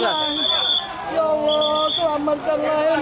ya allah selamatkanlah